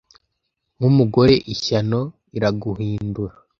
nkumugore ishyano iraguhindura